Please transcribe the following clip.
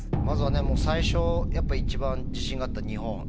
まずは最初やっぱ一番自信があった日本。